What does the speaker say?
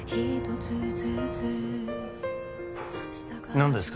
何ですか？